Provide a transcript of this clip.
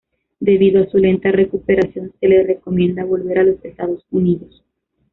Debido a su lenta recuperación, se le recomienda volver a los Estados Unidos.